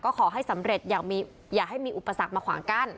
ขอให้สำเร็จอย่าให้มีอุปสรรคมาขวางกั้น